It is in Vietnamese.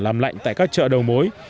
làm lạnh tại các chợ đầu mối